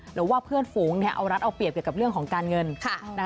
หรือว่าเพื่อนฝูงเอารัฐเอาเปรียบเกี่ยวกับเรื่องของการเงิน